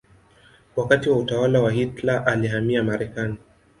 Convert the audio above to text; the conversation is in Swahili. Wakati wa utawala wa Hitler alihamia Marekani.